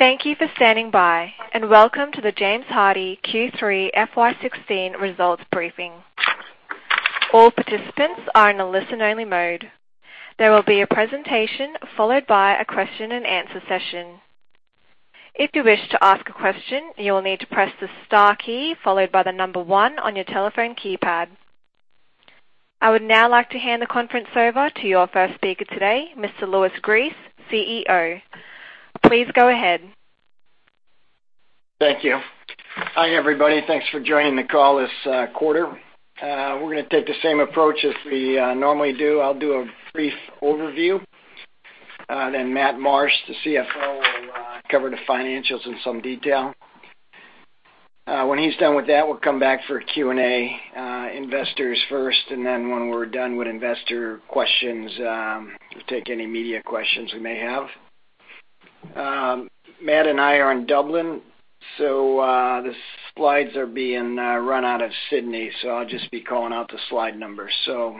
Thank you for standing by, and welcome to the James Hardie Q3 FY 2016 results briefing. All participants are in a listen-only mode. There will be a presentation followed by a question-and-answer session. If you wish to ask a question, you will need to press the star key followed by the number one on your telephone keypad. I would now like to hand the conference over to your first speaker today, Mr. Louis Gries, CEO. Please go ahead. Thank you. Hi, everybody. Thanks for joining the call this quarter. We're gonna take the same approach as we normally do. I'll do a brief overview, then Matt Marsh, the CFO, will cover the financials in some detail. When he's done with that, we'll come back for Q&A, investors first, and then when we're done with investor questions, we'll take any media questions you may have. Matt and I are in Dublin, so the slides are being run out of Sydney, so I'll just be calling out the slide numbers. So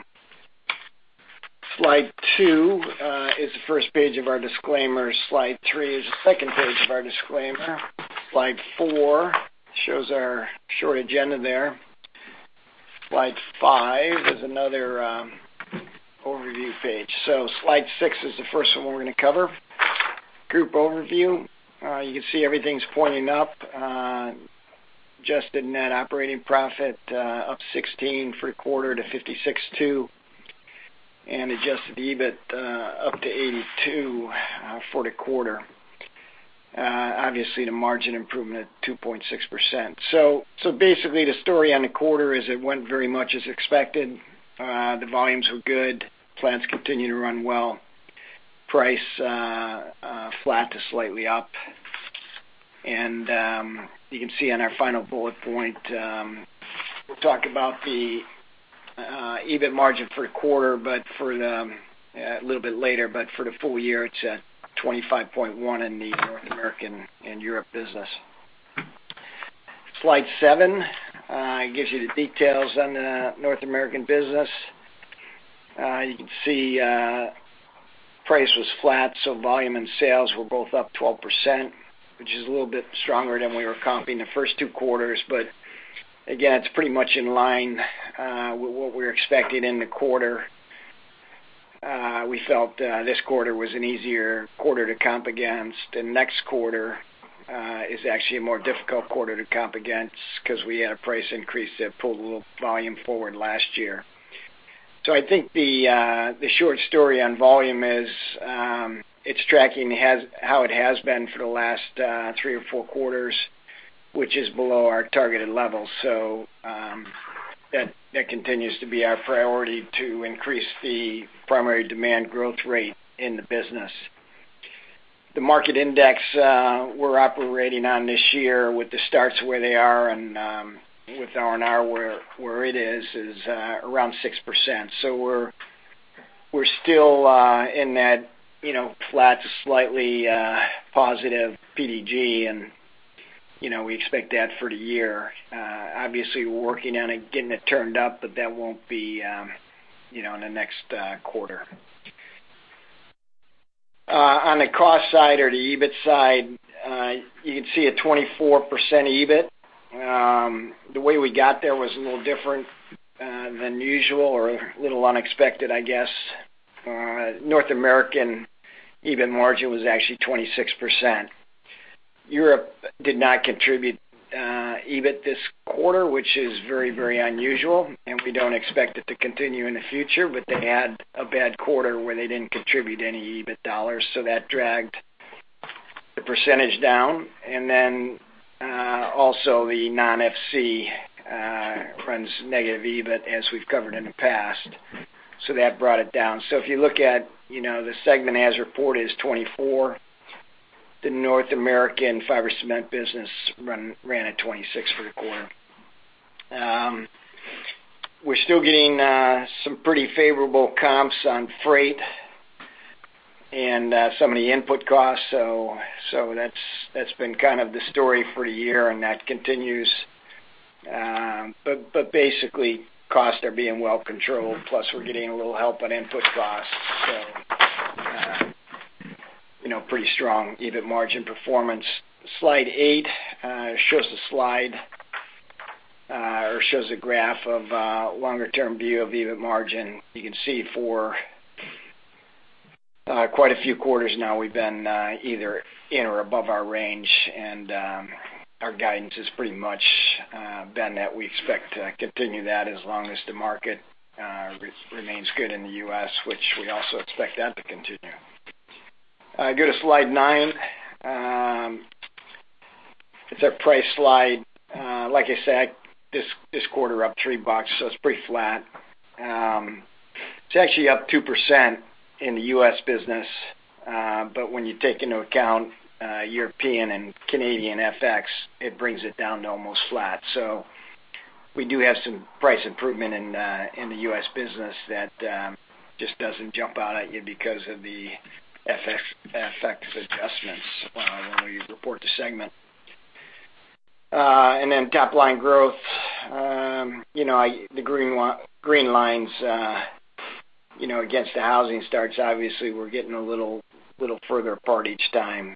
Slide two is the first page of our disclaimer. Slide three is the second page of our disclaimer. Slide four shows our short agenda there. Slide five is another overview page. So Slide six is the first one we're gonna cover. Group overview. You can see everything's pointing up. Adjusted net operating profit, up 16 for the quarter to 56.2, and adjusted EBIT, up to 82, for the quarter. Obviously, the margin improvement, 2.6%. So basically, the story on the quarter is it went very much as expected. The volumes were good. Plants continue to run well. Price, flat to slightly up. And you can see on our final bullet point, we'll talk about the EBIT margin for the quarter, but for a little bit later. But for the full year, it's at 25.1% in the North American and Europe business. Slide seven, it gives you the details on the North American business. You can see, price was flat, so volume and sales were both up 12%, which is a little bit stronger than we were comping the first two quarters. But again, it's pretty much in line with what we're expecting in the quarter. We felt this quarter was an easier quarter to comp against. The next quarter is actually a more difficult quarter to comp against because we had a price increase that pulled a little volume forward last year. So I think the short story on volume is, it's tracking how it has been for the last three or four quarters, which is below our targeted level. So, that continues to be our priority, to increase the primary demand growth rate in the business. The market index, we're operating on this year with the starts where they are and, with R&R, where it is, is around 6%. So we're still in that, you know, flat to slightly positive PDG, and, you know, we expect that for the year. Obviously, we're working on it, getting it turned up, but that won't be, you know, in the next quarter. On the cost side or the EBIT side, you can see a 24% EBIT. The way we got there was a little different than usual or a little unexpected, I guess. North American EBIT margin was actually 26%. Europe did not contribute EBIT this quarter, which is very, very unusual, and we don't expect it to continue in the future, but they had a bad quarter where they didn't contribute any EBIT dollars, so that dragged the percentage down. And then also the non-FC runs negative EBIT, as we've covered in the past, so that brought it down. So if you look at, you know, the segment as reported is 24%. The North American fiber cement business ran at 26% for the quarter. We're still getting some pretty favorable comps on freight and some of the input costs. So that's been kind of the story for the year, and that continues. But basically costs are being well controlled, plus we're getting a little help on input costs. So you know, pretty strong EBIT margin performance. Slide eight shows the slide or shows a graph of a longer-term view of EBIT margin. You can see for quite a few quarters now, we've been either in or above our range, and our guidance has pretty much been that we expect to continue that as long as the market remains good in the U.S., which we also expect that to continue. Go to slide nine. It's our price slide. Like I said, this quarter up $3, so it's pretty flat. It's actually up 2% in the U.S. business, but when you take into account European and Canadian FX, it brings it down to almost flat. So we do have some price improvement in the US business that just doesn't jump out at you because of the FX adjustments when we report the segment. And then top line growth, you know, the green one, green lines, you know, against the housing starts, obviously, we're getting a little further apart each time.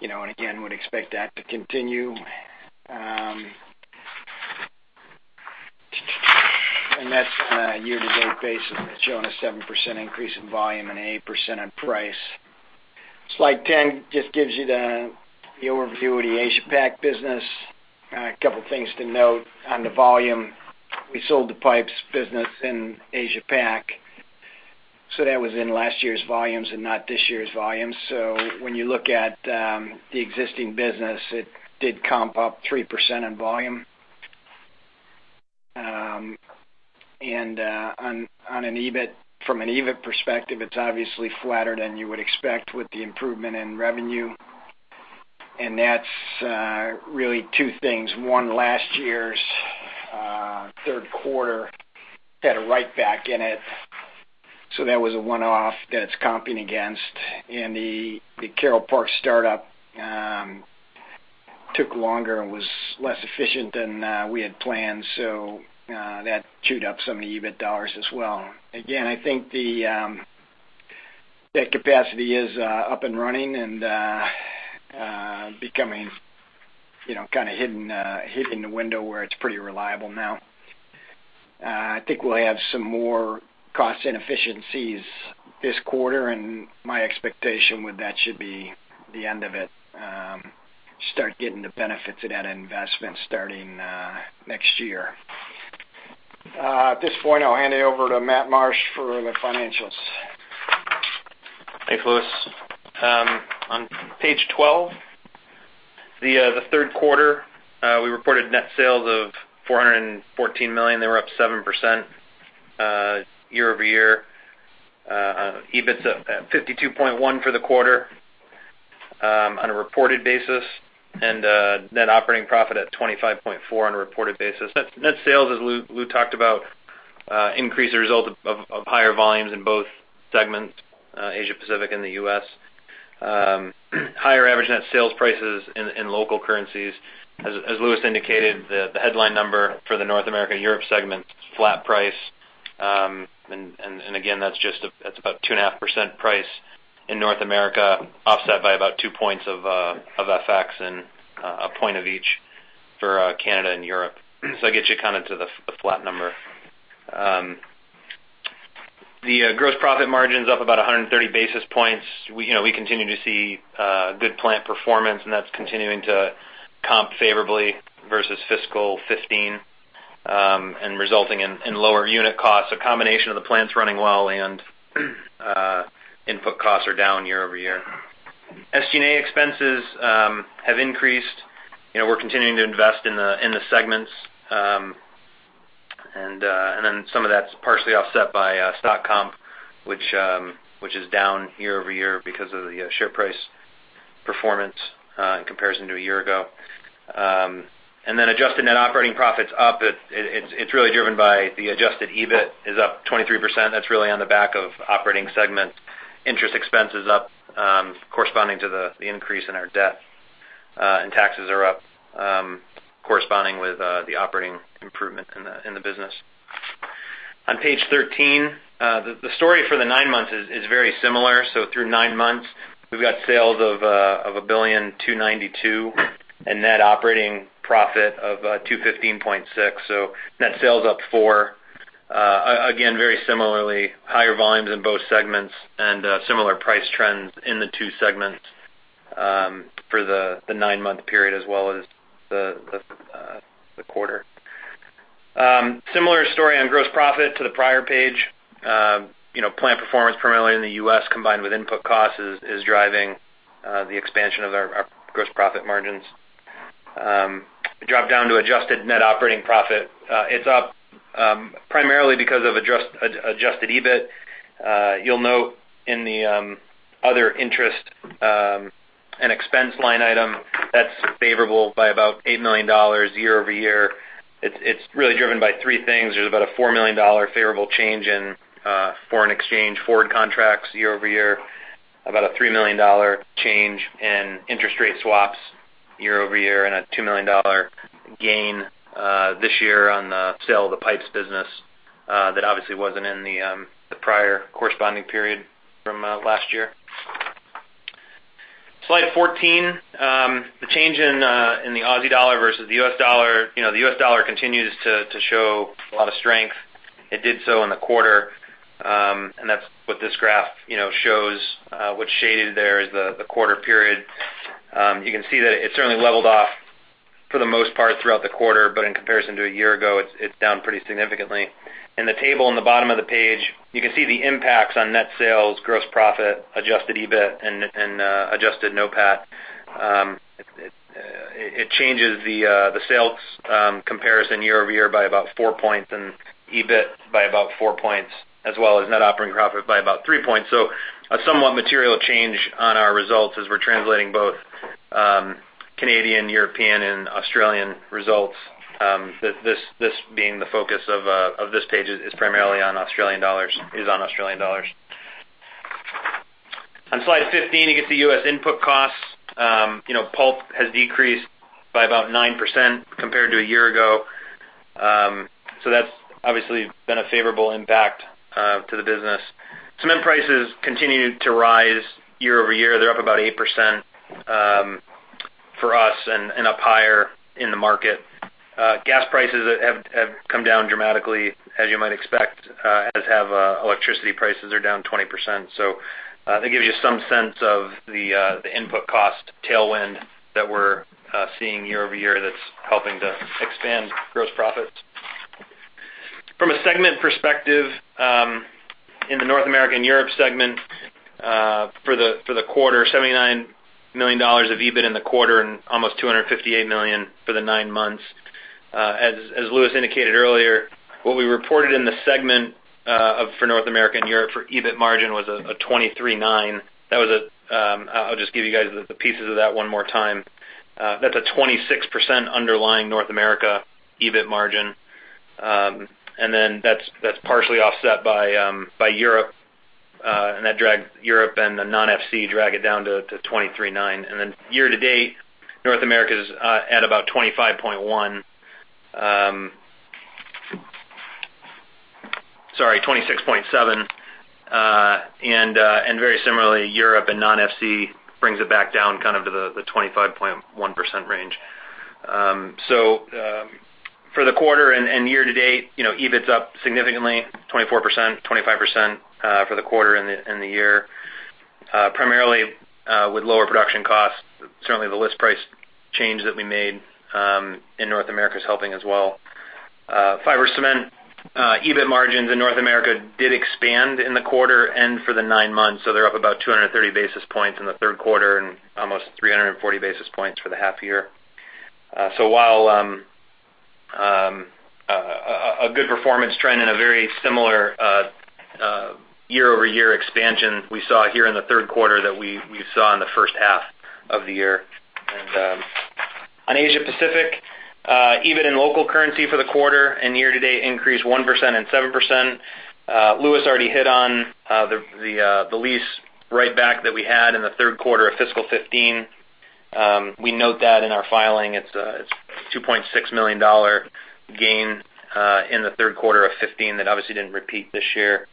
You know, and again, would expect that to continue. And that's on a year-to-date basis, showing a 7% increase in volume and 8% on price. Slide 10 just gives you the overview of the Asia Pac business. A couple things to note on the volume. We sold the pipes business in Asia Pac, so that was in last year's volumes and not this year's volumes. So, when you look at the existing business, it did comp up 3% in volume. And on an EBIT, from an EBIT perspective, it's obviously flatter than you would expect with the improvement in revenue. And that's really two things. One, last year's third quarter had a write back in it, so that was a one-off that it's comping against. And the Carole Park startup took longer and was less efficient than we had planned. So that chewed up some of the EBIT dollars as well. Again, I think that capacity is up and running and becoming, you know, kind of hitting the window where it's pretty reliable now. I think we'll have some more cost inefficiencies this quarter, and my expectation with that should be the end of it, start getting the benefits of that investment starting next year. At this point, I'll hand it over to Matt Marsh for the financials. Thanks, Louis. On page 12, the third quarter, we reported net sales of $414 million. They were up 7%, year over year. EBIT's up at 52.1 for the quarter, on a reported basis, and net operating profit at 25.4 on a reported basis. Net sales, as Louis talked about, increased as a result of higher volumes in both segments, Asia Pacific and the US. Higher average net sales prices in local currencies. As Louis indicated, the headline number for the North America and Europe segment, flat price. Again, that's just about 2.5% price in North America, offset by about two points of FX and a point of each for Canada and Europe. That gets you kind of to the flat number. The gross profit margin's up about 130 basis points. We, you know, we continue to see good plant performance, and that's continuing to comp favorably versus fiscal 2015, and resulting in lower unit costs. A combination of the plants running well and input costs are down year over year. SG&A expenses have increased. You know, we're continuing to invest in the segments. And then some of that's partially offset by stock comp, which is down year over year because of the share price performance in comparison to a year ago. And then adjusted net operating profits up. It's really driven by the adjusted EBIT is up 23%. That's really on the back of operating segments. Interest expenses up, corresponding to the increase in our debt. And taxes are up, corresponding with the operating improvement in the business. On page 13, the story for the nine months is very similar. So through nine months, we've got sales of $1.292 billion, and net operating profit of $215.6 million. So net sales up 4%. Again, very similarly, higher volumes in both segments and similar price trends in the two segments for the nine-month period as well as the quarter. Similar story on gross profit to the prior page. You know, plant performance primarily in the U.S., combined with input costs, is driving the expansion of our gross profit margins. Drop down to adjusted net operating profit. It's up primarily because of adjusted EBIT. You'll note in the other interest and expense line item, that's favorable by about $8 million year over year. It's really driven by three things. There's about a $4 million favorable change in foreign exchange forward contracts year over year, about a $3 million change in interest rate swaps year over year, and a $2 million gain this year on the sale of the pipes business that obviously wasn't in the prior corresponding period from last year. Slide 14. The change in the Aussie dollar versus the US dollar. You know, the US dollar continues to show a lot of strength. It did so in the quarter, and that's what this graph, you know, shows. What's shaded there is the quarter period. You can see that it's certainly leveled off for the most part throughout the quarter, but in comparison to a year ago, it's down pretty significantly. In the table on the bottom of the page, you can see the impacts on net sales, gross profit, adjusted EBIT and adjusted NOPAT. It changes the sales comparison year over year by about four points and EBIT by about four points, as well as net operating profit by about three points, so a somewhat material change on our results as we're translating both Canadian, European, and Australian results. This being the focus of this page is primarily on Australian dollars, is on Australian dollars. On Slide 15, you get the U.S. input costs. You know, pulp has decreased by about 9% compared to a year ago. So that's obviously been a favorable impact to the business. Cement prices continue to rise year over year. They're up about 8%, for us and up higher in the market. Gas prices have come down dramatically, as you might expect, as have electricity prices are down 20%. So, that gives you some sense of the input cost tailwind that we're seeing year over year that's helping to expand gross profits. From a segment perspective, in the North America and Europe segment, for the quarter, $79 million of EBIT in the quarter and almost $258 million for the nine months. As Louis indicated earlier, what we reported in the segment for North America and Europe for EBIT margin was a 23.9%. That was a. I'll just give you guys the pieces of that one more time. That's a 26% underlying North America EBIT margin. And then that's partially offset by Europe, and that dragged Europe and the non-FC down to 23.9%. And then year to date, North America is at about 25.1%. Sorry, 26.7%. And very similarly, Europe and non-FC brings it back down kind of to the 25.1% range. So, for the quarter and year to date, you know, EBIT's up significantly, 24%, 25%, for the quarter and the year, primarily with lower production costs. Certainly, the list price change that we made in North America is helping as well. Fiber cement, EBIT margins in North America did expand in the quarter and for the nine months, so they're up about two hundred and thirty basis points in the third quarter and almost three hundred and forty basis points for the half year. So while a good performance trend in a very similar year-over-year expansion we saw here in the third quarter that we saw in the first half of the year. On Asia Pacific, EBIT in local currency for the quarter and year to date increased 1% and 7%. Louis already hit on the lease write back that we had in the third quarter of fiscal 2015. We note that in our filing, it's $2.6 million gain in the third quarter of 2015, that obviously didn't repeat this year.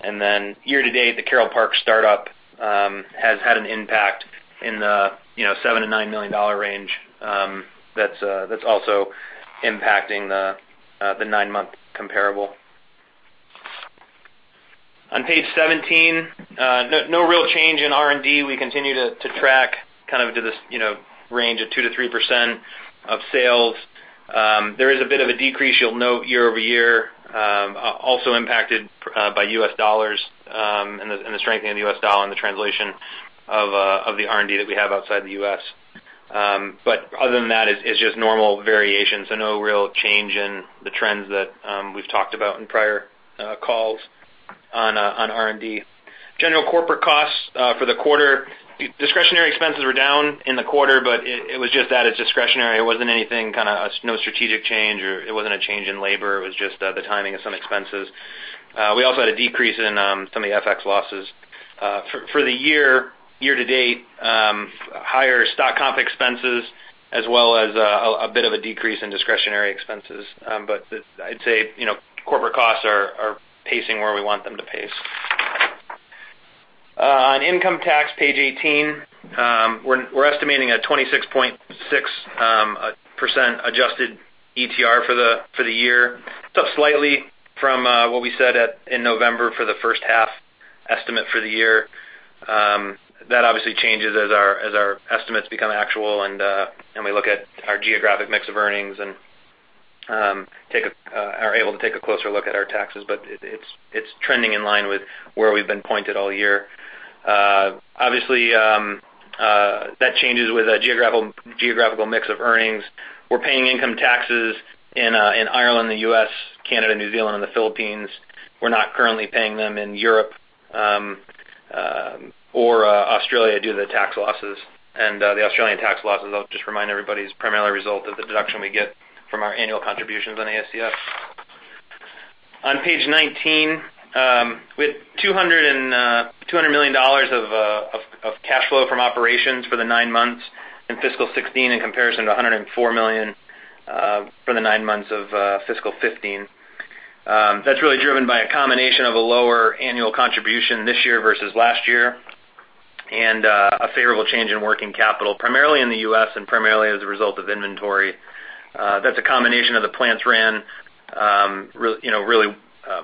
And then year to date, the Carole Park startup has had an impact in the $7 million-$9 million range, you know, that's also impacting the nine-month comparable. On page 17, no real change in R&D. We continue to track kind of to this range of 2%-3% of sales. There is a bit of a decrease you'll note year over year, also impacted by U.S. dollars and the strengthening of the U.S. dollar and the translation of the R&D that we have outside the U.S. But other than that, it's just normal variations and no real change in the trends that we've talked about in prior calls on R&D. General corporate costs for the quarter, discretionary expenses were down in the quarter, but it was just that, it's discretionary. It wasn't anything kind of no strategic change, or it wasn't a change in labor. It was just the timing of some expenses. We also had a decrease in some of the FX losses. For the year to date, higher stock comp expenses, as well as a bit of a decrease in discretionary expenses. But the... I'd say, you know, corporate costs are pacing where we want them to pace. On income tax, page 18, we're estimating a 26.6% adjusted ETR for the year. It's up slightly from what we said in November for the first half estimate for the year. That obviously changes as our estimates become actual, and we look at our geographic mix of earnings and are able to take a closer look at our taxes. But it's trending in line with where we've been pointed all year. Obviously, that changes with a geographical mix of earnings. We're paying income taxes in Ireland, the U.S., Canada, New Zealand, and the Philippines. We're not currently paying them in Europe or Australia, due to the tax losses. And, the Australian tax losses, I'll just remind everybody, is primarily a result of the deduction we get from our annual contributions on AICF. On page 19, we had two hundred and $200 million of cash flow from operations for the nine months in fiscal 2016, in comparison to $104 million for the nine months of fiscal 2015. That's really driven by a combination of a lower annual contribution this year versus last year, and a favorable change in working capital, primarily in the US and primarily as a result of inventory. That's a combination of the plants ran, you know, really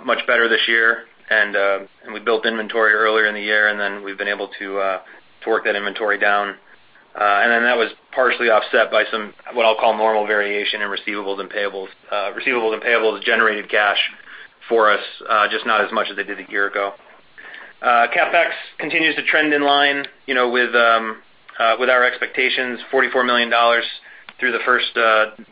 much better this year, and we built inventory earlier in the year, and then we've been able to work that inventory down. And then that was partially offset by some, what I'll call normal variation in receivables and payables. Receivables and payables generated cash for us, just not as much as they did a year ago. CapEx continues to trend in line, you know, with our expectations, $44 million through the first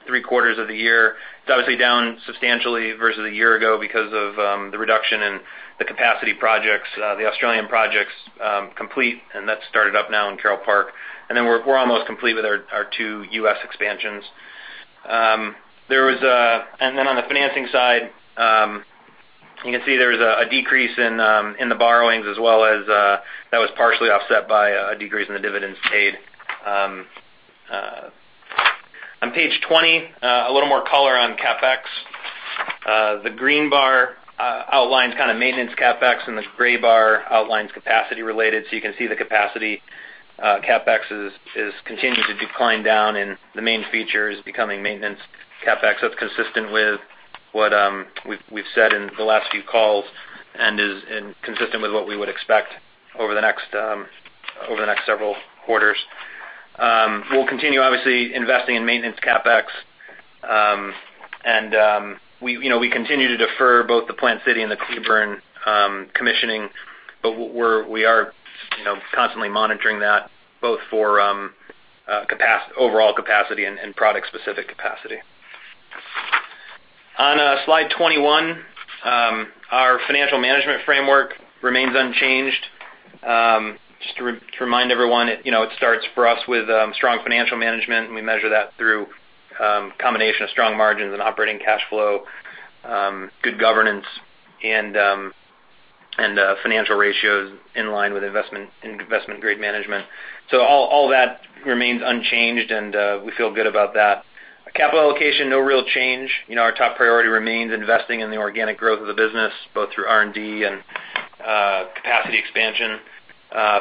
three quarters of the year. It's obviously down substantially versus a year ago because of the reduction in the capacity projects. The Australian project's complete, and that's started up now in Carole Park. And then we're almost complete with our two U.S. expansions. And then on the financing side, you can see there was a decrease in the borrowings as well as that was partially offset by a decrease in the dividends paid. On page 20, a little more color on CapEx. The green bar outlines kind of maintenance CapEx, and the gray bar outlines capacity related. So you can see the capacity CapEx is continuing to decline down, and the main feature is becoming maintenance CapEx. That's consistent with what we've said in the last few calls and is consistent with what we would expect over the next several quarters. We'll continue, obviously, investing in maintenance CapEx, and we, you know, we continue to defer both the Plant City and the Cleburne commissioning, but we're, we are, you know, constantly monitoring that both for overall capacity and product-specific capacity. On slide 21, our financial management framework remains unchanged. Just to remind everyone, you know, it starts for us with strong financial management, and we measure that through combination of strong margins and operating cash flow, good governance, and financial ratios in line with investment and investment grade management. So all that remains unchanged, and we feel good about that. Capital allocation, no real change. You know, our top priority remains investing in the organic growth of the business, both through R&D and capacity expansion,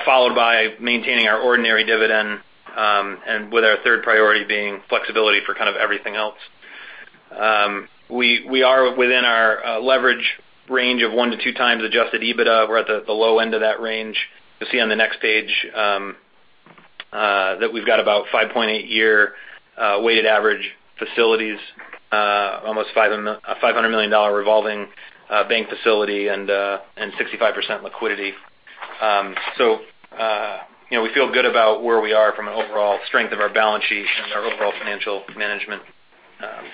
followed by maintaining our ordinary dividend, and with our third priority being flexibility for kind of everything else. We are within our leverage range of one to two times adjusted EBITDA. We're at the low end of that range. You'll see on the next page that we've got about 5.8-year weighted average facilities, almost $500 million revolving bank facility and 65% liquidity. So, you know, we feel good about where we are from an overall strength of our balance sheet and our overall financial management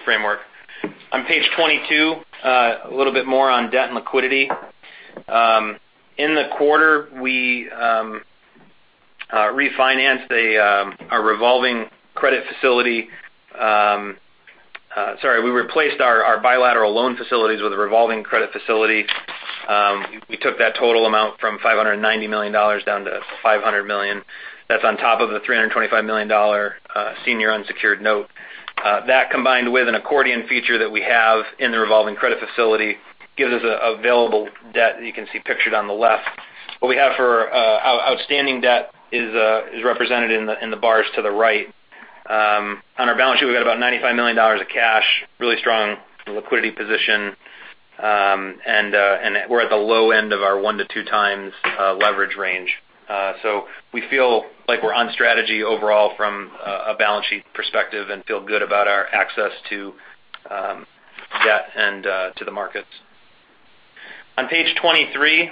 framework. On page 22, a little bit more on debt and liquidity. In the quarter, we refinanced a revolving credit facility. Sorry, we replaced our bilateral loan facilities with a revolving credit facility. We took that total amount from $590 million down to $500 million. That's on top of the $325 million-dollar senior unsecured note. That, combined with an accordion feature that we have in the revolving credit facility, gives us available debt that you can see pictured on the left. What we have for outstanding debt is represented in the bars to the right. On our balance sheet, we've got about $95 million of cash, really strong liquidity position, and we're at the low end of our one to two times leverage range. So we feel like we're on strategy overall from a balance sheet perspective and feel good about our access to debt and to the markets. On page 23,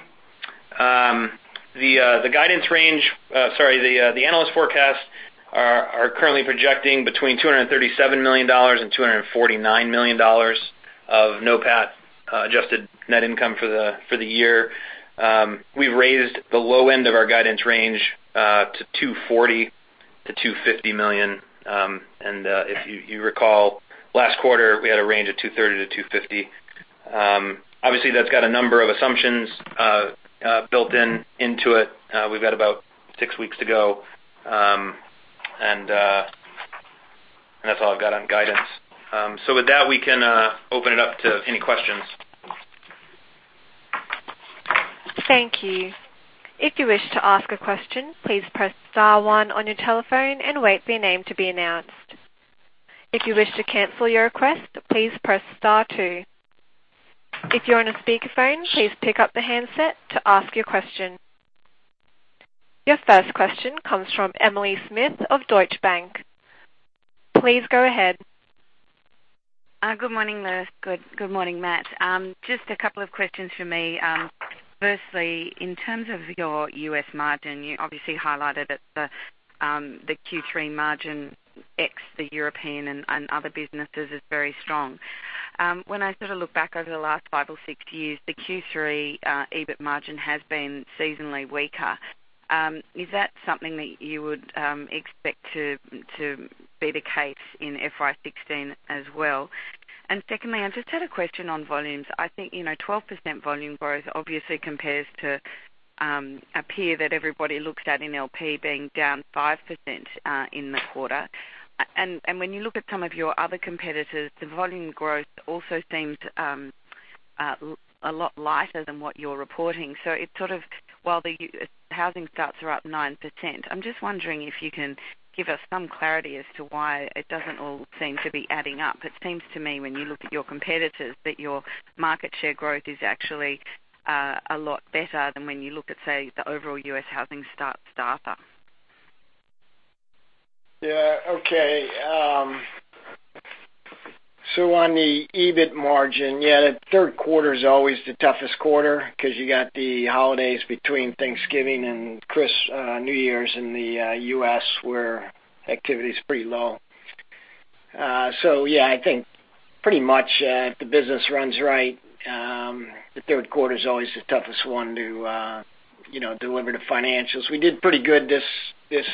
the guidance range, sorry, the analyst forecasts are currently projecting between $237 million and $249 million of NOPAT, adjusted net income for the year. We've raised the low end of our guidance range to $240 million-$250 million. And if you recall, last quarter, we had a range of $230 million-$250 million. Obviously, that's got a number of assumptions built into it. We've got about six weeks to go. And that's all I've got on guidance. So with that, we can open it up to any questions. Thank you. If you wish to ask a question, please press star one on your telephone and wait for your name to be announced. If you wish to cancel your request, please press star two. If you're on a speakerphone, please pick up the handset to ask your question. Your first question comes from Emily Smith of Deutsche Bank. Please go ahead. Good morning, Louis. Good morning, Matt. Just a couple of questions from me. Firstly, in terms of your U.S. margin, you obviously highlighted that the Q3 margin ex the European and other businesses is very strong. When I sort of look back over the last five or six years, the Q3 EBIT margin has been seasonally weaker. Is that something that you would expect to be the case in FY 2016 as well? And secondly, I just had a question on volumes. I think, you know, 12% volume growth obviously compares to a peer that everybody looks at in LP being down 5% in the quarter. And when you look at some of your other competitors, the volume growth also seems a lot lighter than what you're reporting. While the housing starts are up 9%, I'm just wondering if you can give us some clarity as to why it doesn't all seem to be adding up. It seems to me, when you look at your competitors, that your market share growth is actually a lot better than when you look at, say, the overall U.S. housing starts data. Yeah. Okay, so on the EBIT margin, yeah, the third quarter is always the toughest quarter because you got the holidays between Thanksgiving and Christmas and New Year's in the US, where activity is pretty low. So yeah, I think pretty much, if the business runs right. ...The third quarter is always the toughest one to, you know, deliver the financials. We did pretty good this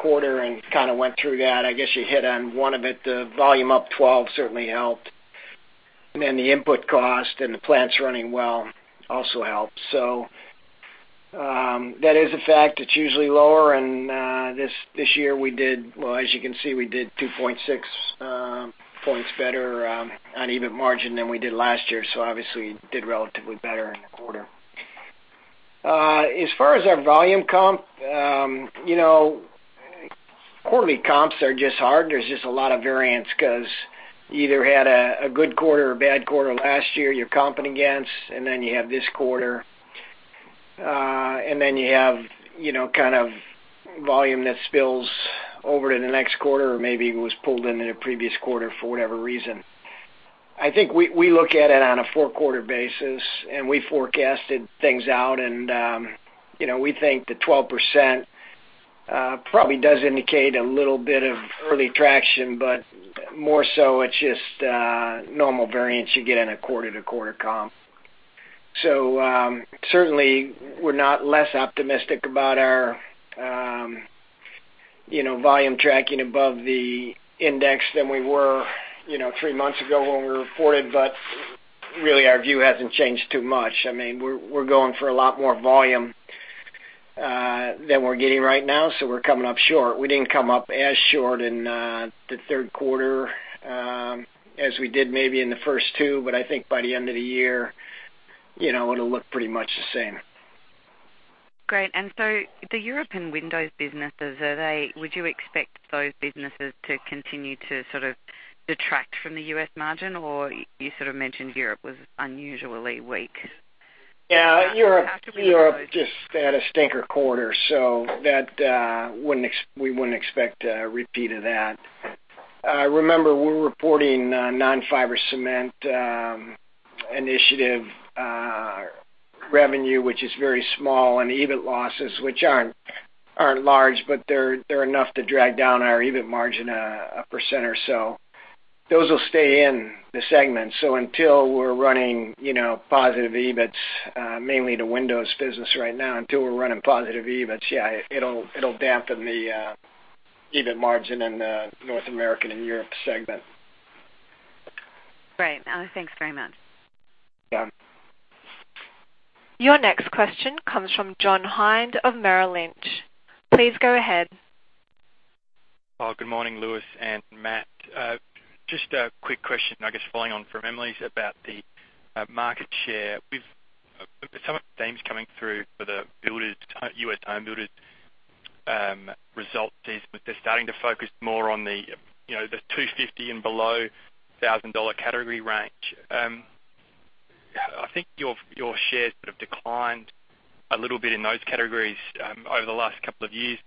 quarter and kind of went through that. I guess you hit on one of it. The volume up 12 certainly helped, and then the input cost and the plants running well also helped. So, that is a fact. It's usually lower, and this year we did, well, as you can see, we did 2.6 points better on EBIT margin than we did last year. So obviously, we did relatively better in the quarter. As far as our volume comp, you know, quarterly comps are just hard. There's just a lot of variance because you either had a good quarter or a bad quarter last year, you're comping against, and then you have this quarter. And then you have, you know, kind of volume that spills over to the next quarter or maybe was pulled into the previous quarter for whatever reason. I think we look at it on a four-quarter basis, and we forecasted things out, and, you know, we think the 12%, probably does indicate a little bit of early traction, but more so, it's just, normal variance you get in a quarter-to-quarter comp. So, certainly, we're not less optimistic about our, you know, volume tracking above the index than we were, you know, three months ago when we reported, but really, our view hasn't changed too much. I mean, we're going for a lot more volume, than we're getting right now, so we're coming up short. We didn't come up as short in the third quarter as we did maybe in the first two, but I think by the end of the year, you know, it'll look pretty much the same. Great. And so the European windows businesses, are they, would you expect those businesses to continue to sort of detract from the US margin, or you sort of mentioned Europe was unusually weak? Yeah, Europe- How do we approach? Europe just had a stinker quarter, so that wouldn't—we wouldn't expect a repeat of that. Remember, we're reporting non-fiber cement initiative revenue, which is very small, and EBIT losses, which aren't large, but they're enough to drag down our EBIT margin, 1% or so. Those will stay in the segment. So until we're running, you know, positive EBITs, mainly the windows business right now, until we're running positive EBITs, yeah, it'll dampen the EBIT margin in the North America and Europe segment. Great. Thanks very much. Yeah. Your next question comes from John Hind of Merrill Lynch. Please go ahead. Good morning, Louis and Matt. Just a quick question, I guess, following on from Emily's about the market share. We've seen some of the themes coming through for the builders, U.S. home builders. Results is that they're starting to focus more on the, you know, the $250,000 and below category range. I think your shares have declined a little bit in those categories over the last couple of years.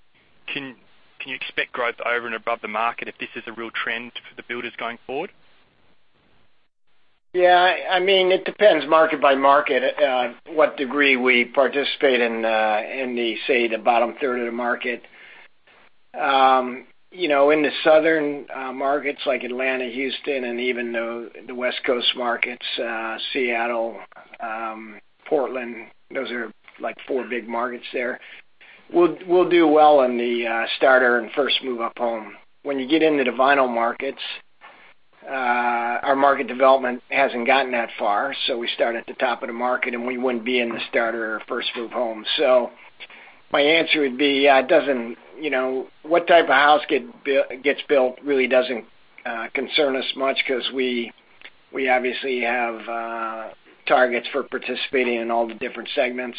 Can you expect growth over and above the market if this is a real trend for the builders going forward? Yeah, I mean, it depends market by market, what degree we participate in, in the, say, the bottom third of the market. You know, in the southern markets like Atlanta, Houston, and even the West Coast markets, Seattle, Portland, those are like four big markets there. We'll do well in the starter and first move up home. When you get into the vinyl markets, our market development hasn't gotten that far, so we start at the top of the market, and we wouldn't be in the starter or first move home. So my answer would be, yeah, it doesn't, you know, what type of house gets built really doesn't concern us much because we obviously have targets for participating in all the different segments.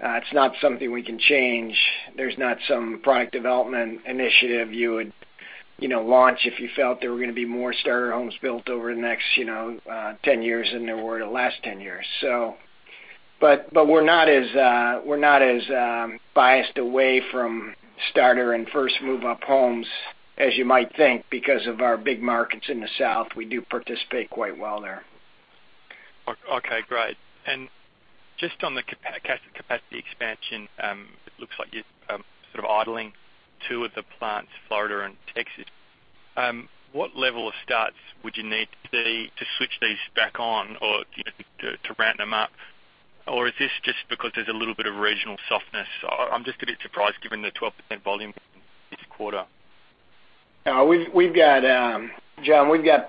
It's not something we can change. There's not some product development initiative you would, you know, launch if you felt there were going to be more starter homes built over the next, you know, ten years than there were the last ten years. So, but we're not as biased away from starter and first move-up homes as you might think, because of our big markets in the South, we do participate quite well there. Okay, great. And just on the capacity expansion, it looks like you're sort of idling two of the plants, Florida and Texas. What level of starts would you need to see to switch these back on or to ramp them up? Or is this just because there's a little bit of regional softness? I'm just a bit surprised given the 12% volume this quarter. We've got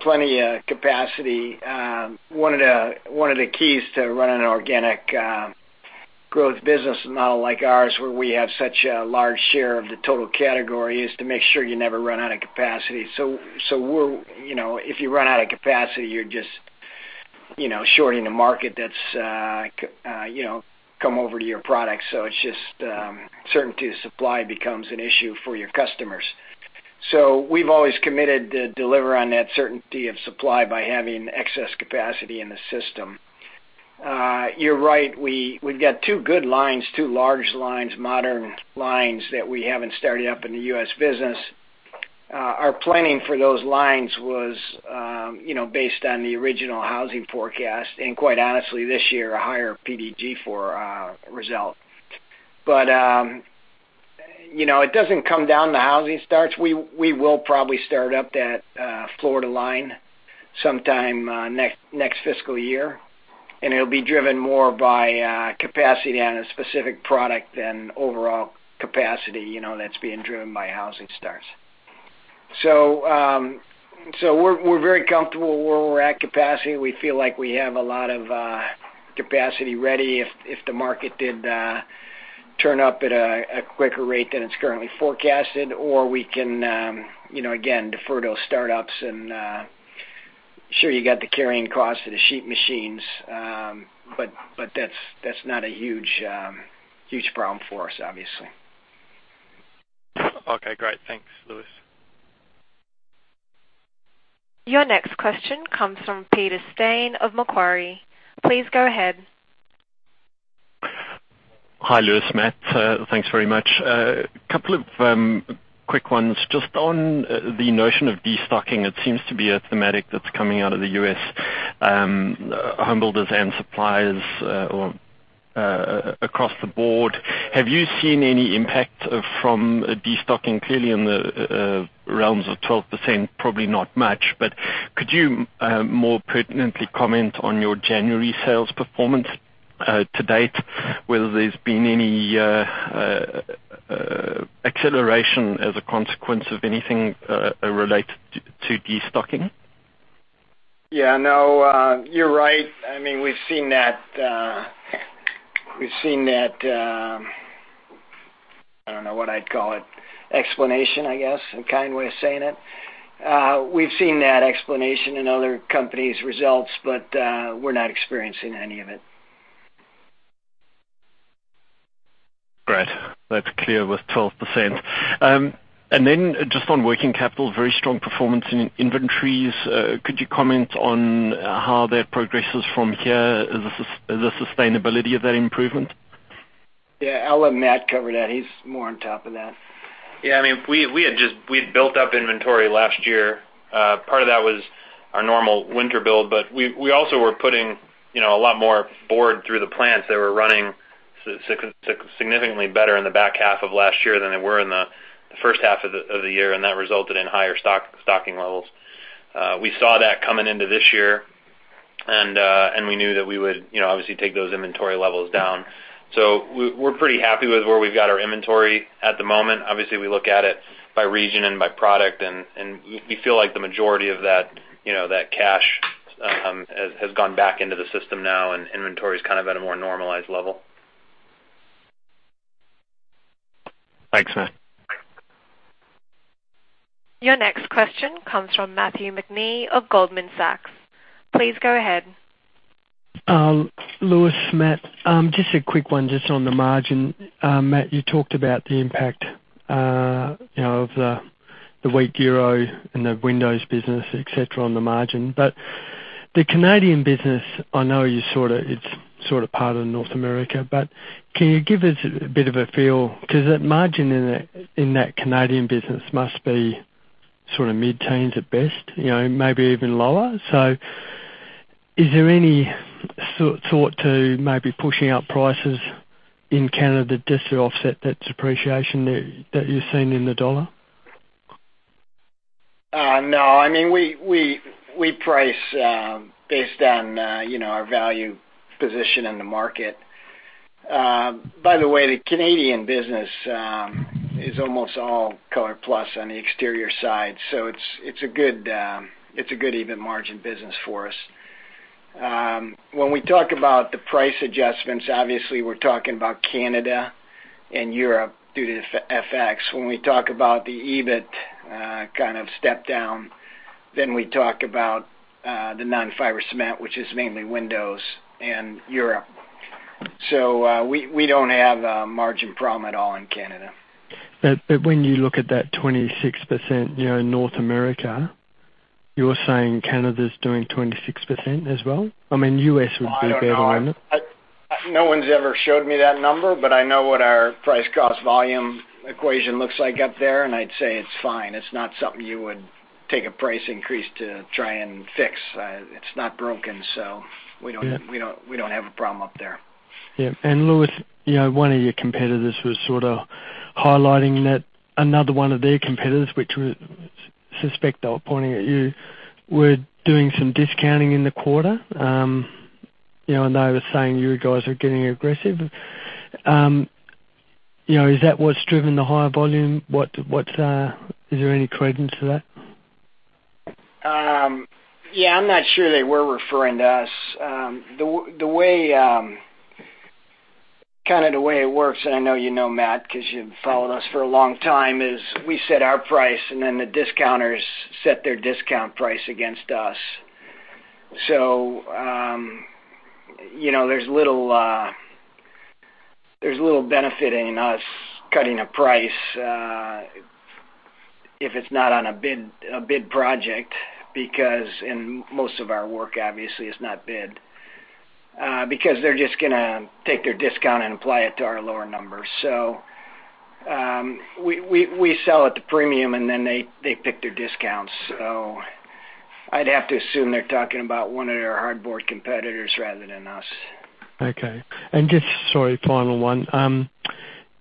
plenty of capacity, John. One of the keys to running an organic growth business model like ours, where we have such a large share of the total category, is to make sure you never run out of capacity. So, you know, if you run out of capacity, you're just shorting the market that's come over to your product. So, it's just certainty of supply becomes an issue for your customers. So, we've always committed to deliver on that certainty of supply by having excess capacity in the system. You're right, we've got two good lines, two large lines, modern lines that we haven't started up in the U.S. business. Our planning for those lines was, you know, based on the original housing forecast, and quite honestly, this year, a higher PDG for our result. But, you know, it doesn't come down to housing starts. We will probably start up that Florida line sometime next fiscal year, and it'll be driven more by capacity on a specific product than overall capacity, you know, that's being driven by housing starts. So, we're very comfortable where we're at capacity. We feel like we have a lot of capacity ready if the market did turn up at a quicker rate than it's currently forecasted, or we can, you know, again, defer those startups and sure you got the carrying cost of the sheet machines, but that's not a huge problem for us, obviously. Okay, great. Thanks, Louis. Your next question comes from Peter Steyn of Macquarie. Please go ahead. Hi, Louis, Matt. Thanks very much. A couple of quick ones. Just on the notion of destocking, it seems to be a thematic that's coming out of the U.S. homebuilders and suppliers or across the board. Have you seen any impact from destocking? Clearly, in the realms of 12%, probably not much, but could you more pertinently comment on your January sales performance to date, whether there's been any acceleration as a consequence of anything related to destocking? Yeah, no, you're right. I mean, we've seen that. I don't know what I'd call it, explanation, I guess, a kind way of saying it. We've seen that explanation in other companies' results, but we're not experiencing any of it. Great. That's clear with 12%. And then just on working capital, very strong performance in inventories. Could you comment on how that progresses from here? Is the sustainability of that improvement? Yeah, I'll let Matt cover that. He's more on top of that. Yeah, I mean, we had just built-up inventory last year. Part of that was our normal winter build, but we also were putting, you know, a lot more board through the plants that were running significantly better in the back half of last year than they were in the first half of the year, and that resulted in higher stocking levels. We saw that coming into this year, and we knew that we would, you know, obviously take those inventory levels down. So, we're pretty happy with where we've got our inventory at the moment. Obviously, we look at it by region and by product, and we feel like the majority of that, you know, that cash has gone back into the system now, and inventory is kind of at a more normalized level. Thanks, Matt. Your next question comes from Matthew McNee of Goldman Sachs. Please go ahead. Louis, Matt, just a quick one, just on the margin. Matt, you talked about the impact, you know, of the weak euro and the windows business, et cetera, on the margin. But the Canadian business, I know you sort of—it's sort of part of North America, but can you give us a bit of a feel? Because that margin in that Canadian business must be sort of mid-teens at best, you know, maybe even lower. So is there any thought to maybe pushing up prices in Canada just to offset that depreciation that you're seeing in the dollar? No. I mean, we price based on, you know, our value position in the market. By the way, the Canadian business is almost all ColorPlus on the exterior side, so it's a good even margin business for us. When we talk about the price adjustments, obviously, we're talking about Canada and Europe due to the FX. When we talk about the EBIT kind of step down, then we talk about the non-fiber cement, which is mainly windows and Europe, so we don't have a margin problem at all in Canada. But when you look at that 26%, you know, in North America, you're saying Canada's doing 26% as well? I mean, US would be better, isn't it? I don't know. No one's ever showed me that number, but I know what our price, cost, volume equation looks like up there, and I'd say it's fine. It's not something you would take a price increase to try and fix. It's not broken, so- Yeah. We don't have a problem up there. Yeah, and Louis, you know, one of your competitors was sort of highlighting that another one of their competitors, which we suspect they were pointing at you, were doing some discounting in the quarter. You know, and they were saying you guys are getting aggressive. You know, is that what's driven the higher volume? Is there any credence to that? Yeah, I'm not sure they were referring to us. The way it works, kind of, and I know you know, Matt, because you've followed us for a long time, is we set our price, and then the discounters set their discount price against us, so you know, there's little benefit in us cutting a price if it's not on a bid project, because in most of our work, obviously, is not bid, because they're just gonna take their discount and apply it to our lower numbers, so we sell at the premium, and then they pick their discounts. I'd have to assume they're talking about one of their hardboard competitors rather than us. Okay. And just, sorry, final one.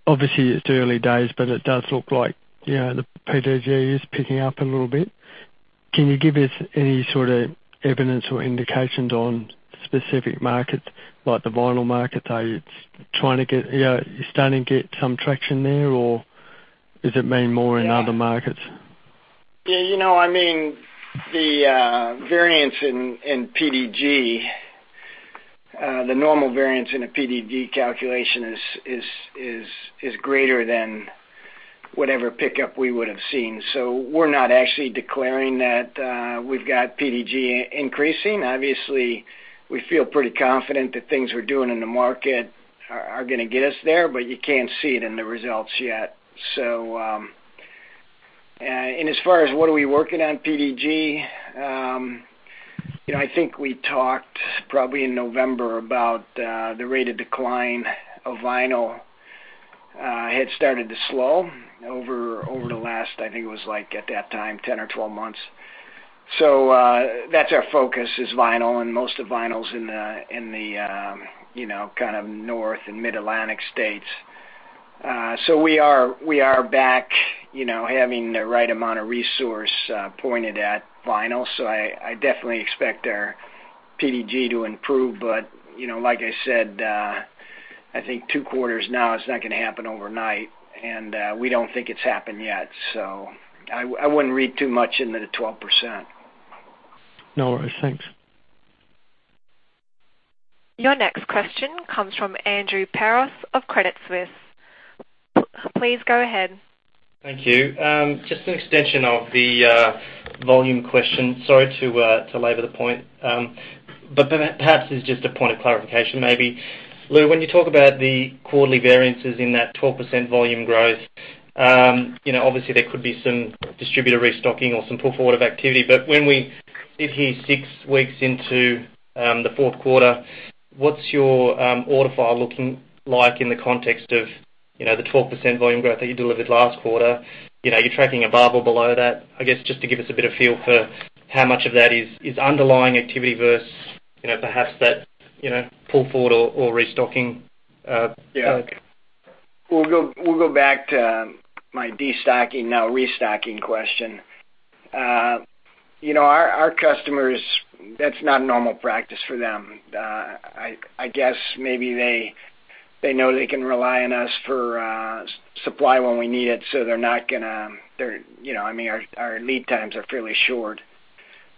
Obviously, it's early days, but it does look like, yeah, the PDG is picking up a little bit. Can you give us any sort of evidence or indications on specific markets, like the vinyl market? Are you trying to get, you know, you're starting to get some traction there, or does it mean more in other markets? Yeah, you know, I mean, the variance in PDG, the normal variance in a PDG calculation is greater than whatever pickup we would have seen. So, we're not actually declaring that we've got PDG increasing. Obviously, we feel pretty confident that things we're doing in the market are gonna get us there, but you can't see it in the results yet. So, and as far as what are we working on PDG, you know, I think we talked probably in November about the rate of decline of vinyl had started to slow over the last, I think it was like, at that time, 10 or 12 months. So, that's our focus is vinyl, and most of vinyl in the, you know, kind of North and Mid-Atlantic states. So, we are back, you know, having the right amount of resource pointed at vinyl, so I definitely expect our PDG to improve. But, you know, like I said, I think two quarters now, it's not gonna happen overnight, and we don't think it's happened yet. So, I wouldn't read too much into the 12%. No worries. Thanks. Your next question comes from Andrew Peros of Credit Suisse. Please go ahead. Thank you. Just an extension of the volume question. Sorry to labor the point, but perhaps it's just a point of clarification maybe. Lou, when you talk about the quarterly variances in that 12% volume growth, you know, obviously there could be some distributor restocking or some pull-forward of activity. But when we sit here six weeks into the fourth quarter, what's your order file looking like in the context of, you know, the 12% volume growth that you delivered last quarter? You know, are you tracking above or below that? I guess, just to give us a bit of feel for how much of that is underlying activity versus, you know, perhaps that, you know, pull forward or restocking, okay. Yeah. We'll go back to my destocking now restocking question. You know, our customers, that's not normal practice for them. I guess maybe they know they can rely on us for supply when we need it, so they're not gonna. You know, I mean, our lead times are fairly short.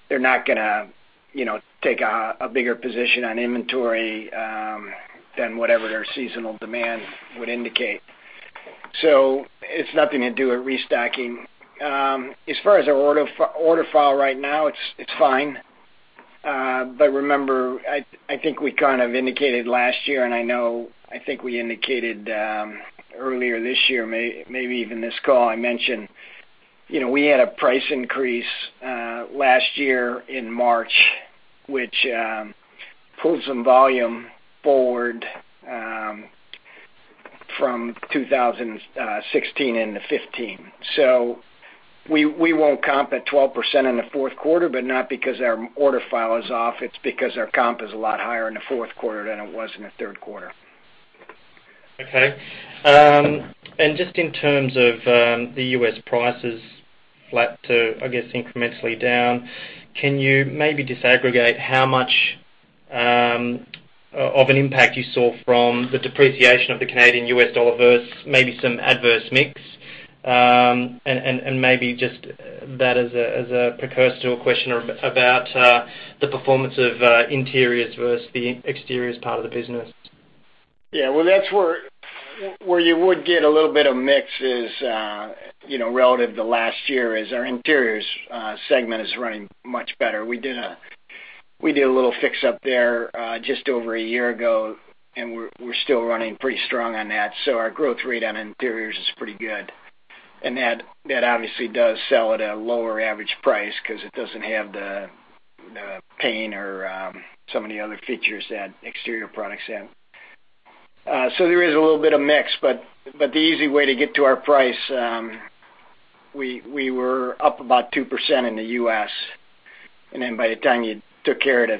They're not gonna, you know, take a bigger position on inventory than whatever their seasonal demand would indicate. So, it's nothing to do with restocking. As far as our order file right now, it's fine. But remember, I think we kind of indicated last year, and I know I think we indicated earlier this year, maybe even this call. I mentioned, you know, we had a price increase last year in March, which pulled some volume forward from 2016 into 2015. So we won't comp at 12% in the fourth quarter, but not because our order file is off. It's because our comp is a lot higher in the fourth quarter than it was in the third quarter. Okay. And just in terms of, the U.S. prices, flat to, I guess, incrementally down, can you maybe disaggregate how much, of an impact you saw from the depreciation of the Canadian-U.S. dollar versus maybe some adverse mix? And maybe just that as a, as a precursor to a question about, the performance of, interiors versus the exteriors part of the business. Yeah, well, that's where you would get a little bit of mix is, you know, relative to last year, is our interiors segment is running much better. We did a little fix-up there just over a year ago, and we're still running pretty strong on that. So, our growth rate on interiors is pretty good. And that obviously does sell at a lower average price because it doesn't have the paint or some of the other features that exterior products have. So, there is a little bit of mix, but the easy way to get to our price, we were up about 2% in the US, and then by the time you took care of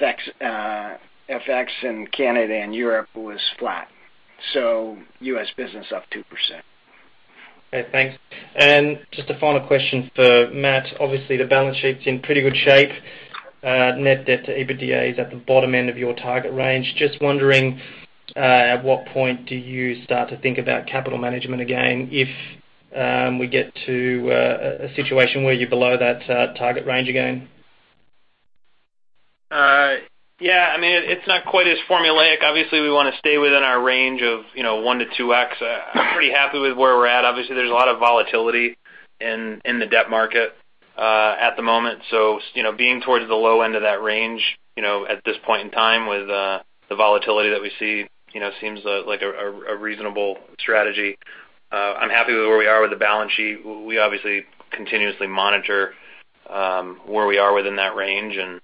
the FX and Canada and Europe was flat. So US business up 2%. Okay, thanks. And just a final question for Matt. Obviously, the balance sheet's in pretty good shape. Net debt to EBITDA is at the bottom end of your target range. Just wondering, at what point do you start to think about capital management again, if we get to a situation where you're below that target range again? Yeah, I mean, it's not quite as formulaic. Obviously, we want to stay within our range of, you know, one to two X. I'm pretty happy with where we're at. Obviously, there's a lot of volatility in the debt market at the moment. So, you know, being towards the low end of that range, you know, at this point in time with the volatility that we see, you know, seems like a reasonable strategy. I'm happy with where we are with the balance sheet. We obviously continuously monitor where we are within that range, and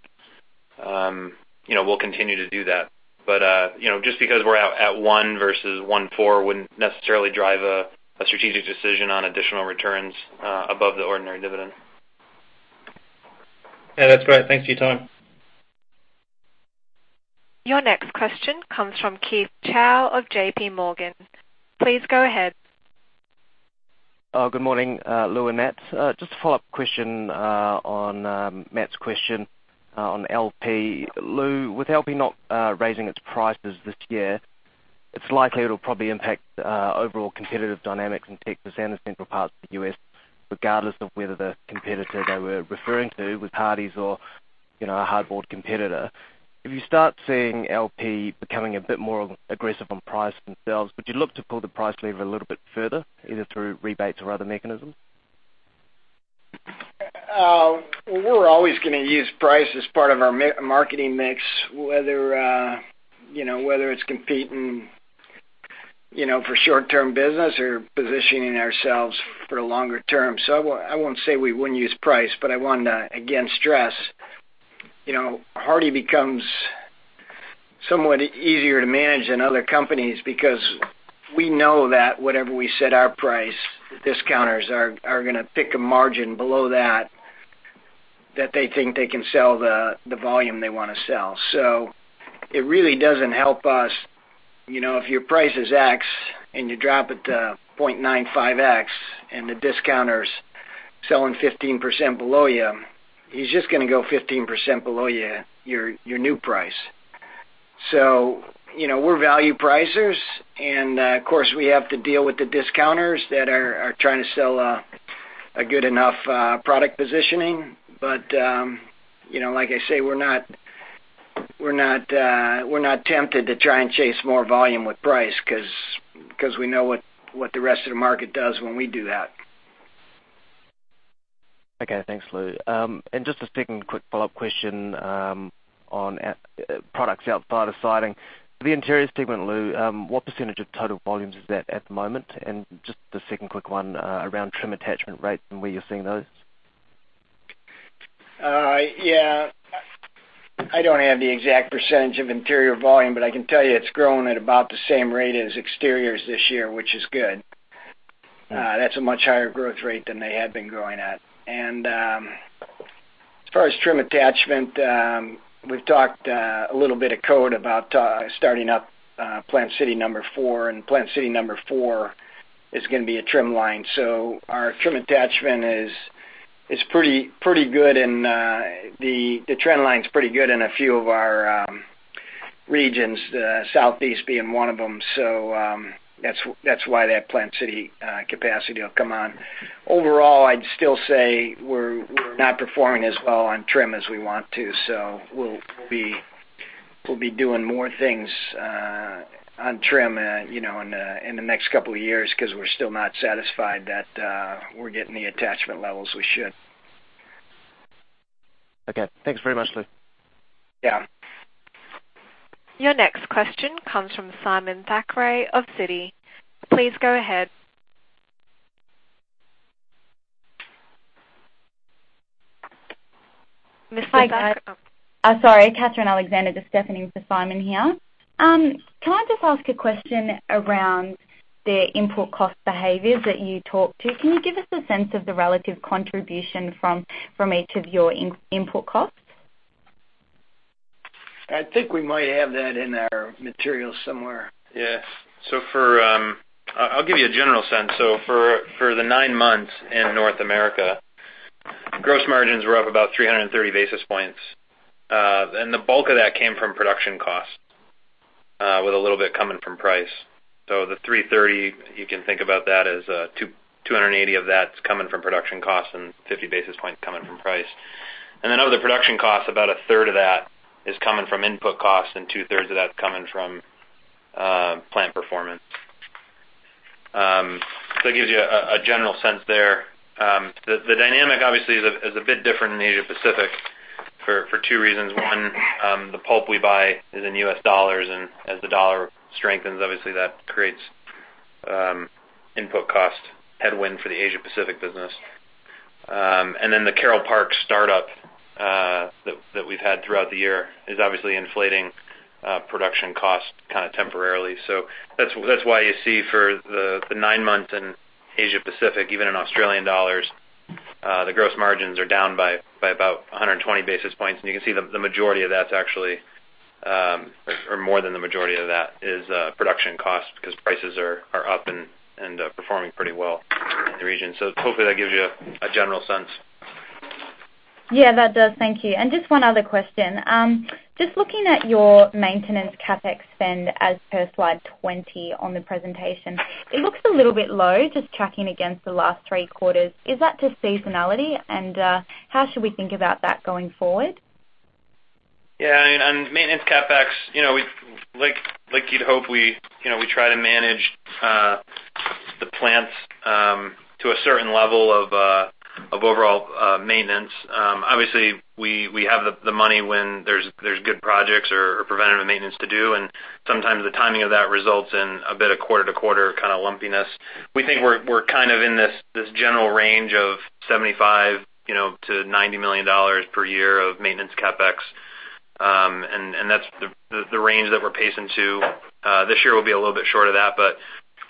you know, we'll continue to do that. But, you know, just because we're out at one versus one four wouldn't necessarily drive a strategic decision on additional returns above the ordinary dividend. Yeah, that's great. Thanks for your time. Your next question comes from Keith Chau of J.P. Morgan. Please go ahead. Oh, good morning, Lou and Matt. Just a follow-up question on Matt's question on LP. Lou, with LP not raising its prices this year, it's likely it'll probably impact overall competitive dynamics in Texas and the central parts of the U.S., regardless of whether the competitor they were referring to was Hardie’s or, you know, a hardboard competitor. If you start seeing LP becoming a bit more aggressive on price themselves, would you look to pull the price lever a little bit further, either through rebates or other mechanisms? We're always gonna use price as part of our marketing mix, whether, you know, whether it's competing, you know, for short-term business or positioning ourselves for the longer term. So, I won't say we wouldn't use price, but I want to again stress, you know, Hardie becomes somewhat easier to manage than other companies because we know that whatever we set our price, discounters are gonna pick a margin below that, that they think they can sell the volume they wanna sell. So, it really doesn't help us, you know, if your price is X, and you drop it to point nine five X, and the discounter's selling 15% below you, he's just gonna go 15% below your new price. So, you know, we're value pricers, and, of course, we have to deal with the discounters that are trying to sell a good enough product positioning. But, you know, like I say, we're not tempted to try and chase more volume with price, 'cause we know what the rest of the market does when we do that. Okay, thanks, Lou, and just a second quick follow-up question on Hardie products outside of siding. The interiors segment, Lou, what percentage of total volumes is that at the moment? And just a second quick one around trim attachment rates and where you're seeing those. Yeah. I don't have the exact percentage of interior volume, but I can tell you it's growing at about the same rate as exteriors this year, which is good. That's a much higher growth rate than they had been growing at. And, as far as trim attachment, we've talked a little bit at code about starting up Plant City number four, and Plant City number four is gonna be a trim line. So, our trim attachment is pretty good, and the trend line is pretty good in a few of our regions, Southeast being one of them. So, that's why that Plant City capacity will come on. Overall, I'd still say we're not performing as well on trim as we want to, so we'll be doing more things on trim, you know, in the next couple of years, 'cause we're still not satisfied that we're getting the attachment levels we should. Okay. Thanks very much, Lou. Yeah. Your next question comes from Simon Thackray of Citi. Please go ahead. Mr. Thackray- Hi, sorry, Catherine Alexander, just stepping in for Simon here. Can I just ask a question around the input cost behaviors that you talked to? Can you give us a sense of the relative contribution from each of your input costs? I think we might have that in our materials somewhere. Yes. So, for, I'll give you a general sense. So, for the nine months in North America, gross margins were up about three hundred and thirty basis points. And the bulk of that came from production costs, with a little bit coming from price. So, the three thirty, you can think about that as, two hundred and eighty of that's coming from production costs and fifty basis points coming from price. And then of the production costs, about a third of that is coming from input costs, and two-thirds of that's coming from, plant performance. So, it gives you a general sense there. The dynamic obviously is a bit different in Asia Pacific for two reasons. One, the pulp we buy is in US dollars, and as the dollar strengthens, obviously that creates input cost headwind for the Asia Pacific business. And then the Carole Park startup that we've had throughout the year is obviously inflating production cost kind of temporarily. So that's why you see for the nine months in Asia Pacific, even in Australian dollars, the gross margins are down by about one hundred and twenty basis points. And you can see the majority of that's actually or more than the majority of that is production cost, because prices are up and performing pretty well in the region. So hopefully that gives you a general sense. Yeah, that does. Thank you. And just one other question. Just looking at your maintenance CapEx spend as per slide twenty on the presentation, it looks a little bit low, just tracking against the last three quarters. Is that just seasonality? And, how should we think about that going forward? Yeah, and maintenance CapEx, you know, we like, like you'd hope we, you know, we try to manage the plants to a certain level of overall maintenance. Obviously, we have the money when there's good projects or preventative maintenance to do, and sometimes the timing of those results in a bit of quarter-to-quarter kind of lumpiness. We think we're kind of in this general range of $75-$90 million per year of maintenance CapEx.... and that's the range that we're pacing to. This year will be a little bit short of that, but,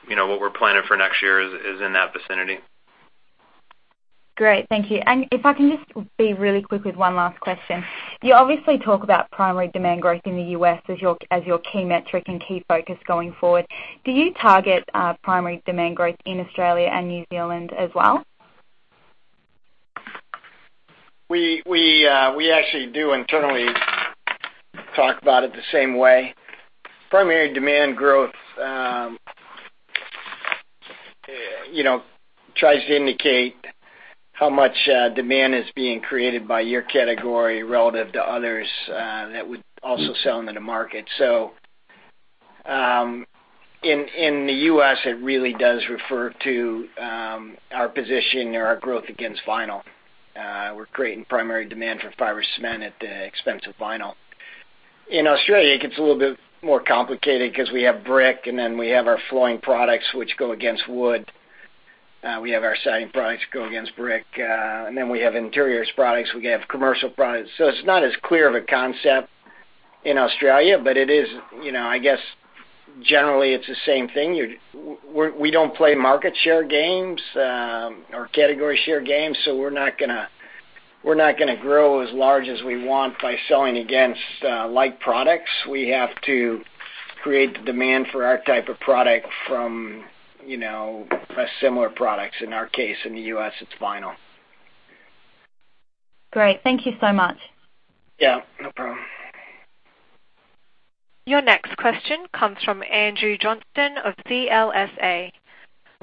you know, what we're planning for next year is in that vicinity. Great. Thank you. And if I can just be really quick with one last question. You obviously talk about primary demand growth in the U.S. as your key metric and key focus going forward. Do you target primary demand growth in Australia and New Zealand as well? We actually do internally talk about it the same way. Primary demand growth, you know, tries to indicate how much demand is being created by your category relative to others that would also sell in the market. So, in the US, it really does refer to our position or our growth against vinyl. We're creating primary demand for fiber cement at the expense of vinyl. In Australia, it gets a little bit more complicated because we have brick, and then we have our flooring products, which go against wood. We have our siding products go against brick, and then we have interiors products, we have commercial products. So, it's not as clear of a concept in Australia, but it is, you know, I guess, generally it's the same thing. We don't play market share games, or category share games, so we're not gonna grow as large as we want by selling against like products. We have to create the demand for our type of product from, you know, a similar product. In our case, in the US, it's vinyl. Great. Thank you so much. Yeah, no problem. Your next question comes from Andrew Johnston of CLSA.